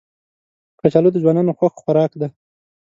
کچالو د ځوانانو خوښ خوراک دی